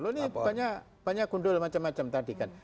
lu ini banyak gundel macam macam tadi kan